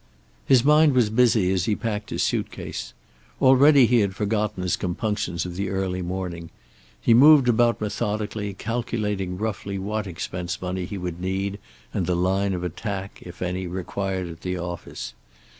His mind was busy as he packed his suitcase. Already he had forgotten his compunctions of the early morning; he moved about methodically, calculating roughly what expense money he would need, and the line of attack, if any, required at the office.